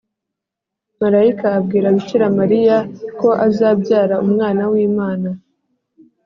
malayika abwira bikira mariya ko azabyara umwana w’imana